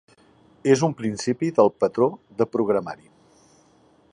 És un principi del patró de programari.